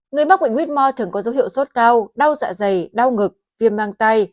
người mắc bệnh huyết mò thường có dấu hiệu sốt cao đau dạ dày đau ngực viêm mang tay